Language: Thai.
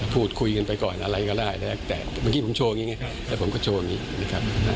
พูดคุยกันไปก่อนอะไรก็ได้แล้วแต่เมื่อกี้ผมโชว์อย่างนี้แล้วผมก็โชว์อย่างนี้นะครับ